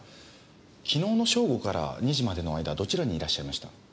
昨日の正午から２時までの間どちらにいらっしゃいました？